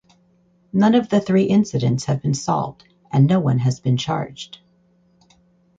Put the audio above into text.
None of the three incidents have been solved and no one has been charged.